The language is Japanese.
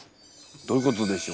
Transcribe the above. どういうことでしょう？